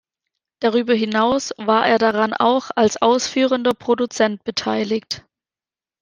Darüber hinaus war er daran auch als Ausführender Produzent beteiligt.